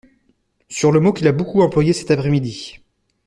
sur le mot qu'il a beaucoup employé cet après-midi